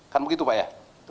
kan begitu pak ya